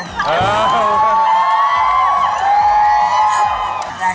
เออเว้ย